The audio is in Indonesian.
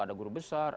ada guru besar